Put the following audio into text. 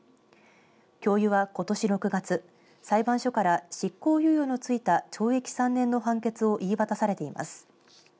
教諭はことし６月裁判所から執行猶予のついた懲役３年の判決を言い渡されています。